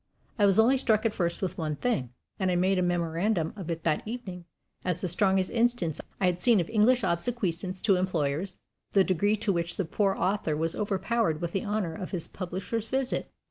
I was only struck at first with one thing and I made a memorandum of it that evening as the strongest instance I had seen of English obsequiousness to employers the degree to which the poor author was overpowered with the honor of his publisher's visit!